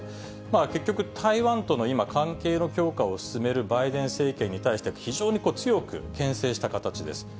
結局、台湾との今、関係の強化を進めるバイデン政権に対して非常に強くけん制した形です。